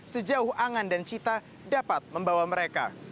sejauh angan dan cita dapat membawa mereka